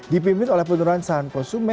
dipimpin oleh penurunan saham